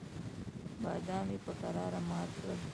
بادام یې په کراره مات کړل.